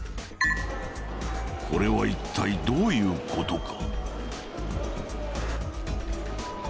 これはいったいどういうことか？